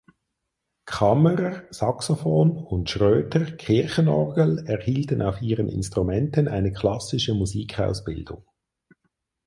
Kammerer (Saxophon) und Schröter (Kirchenorgel) erhielten auf ihren Instrumenten eine klassische Musikausbildung.